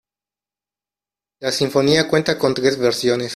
La sinfonía cuenta con tres versiones.